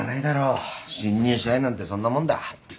新入社員なんてそんなもんだ。